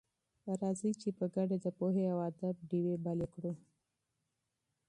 راځئ چې په ګډه د پوهې او ادب ډېوې بلې کړو.